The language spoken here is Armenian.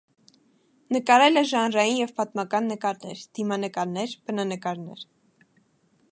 Նկարել է ժանրային և պատմական նկարներ, դիմանկարներ, բնանկարներ։